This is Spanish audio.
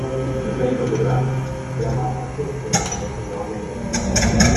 Es ahí donde Brass llama al juez para obtener una orden de captura.